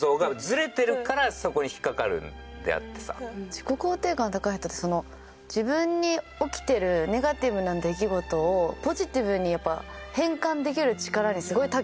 自己肯定感高い人って自分に起きてるネガティブな出来事をポジティブに変換できる力にすごいたけてるじゃないですか。